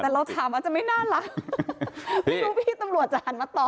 แต่เราถามอาจจะไม่น่ารักไม่รู้พี่ตำรวจจะหันมาตอบ